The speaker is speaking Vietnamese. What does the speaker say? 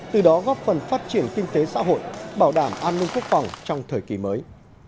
từ đó góp phần phát triển kinh tế xã hội bảo đảm an ninh quốc phòng trong thời kỳ mới